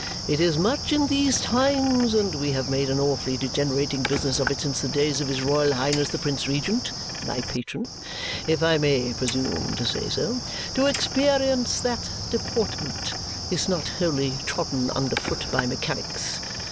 It is much in these times (and we have made an awfully degenerating business of it since the days of his Royal Highness the Prince Regent my patron, if I may presume to say so) to experience that deportment is not wholly trodden under foot by mechanics.